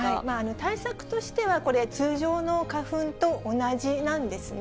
対策としてはこれ、通常の花粉と同じなんですね。